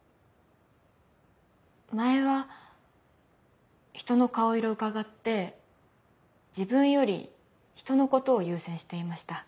前は人の顔色うかがって自分より人のことを優先していました。